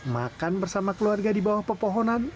makan bersama keluarga di bawah pepohonan